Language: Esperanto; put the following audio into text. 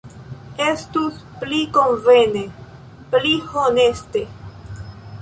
Estus pli konvene, pli honeste.